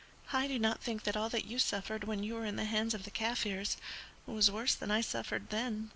I do not think that all that you suffered when you were in the hands of the Kaffirs was worse than I suffered then.